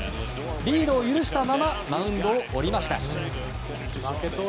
リードを許したままマウンドを降りました。